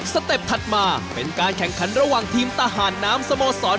เต็ปถัดมาเป็นการแข่งขันระหว่างทีมทหารน้ำสโมสร